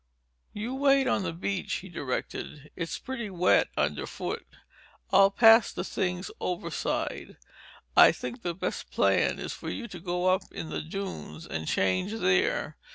"You wait on the beach," he directed. "It's pretty wet underfoot. I'll pass the things overside. I think the best plan is for you to go up in the dunes and change there.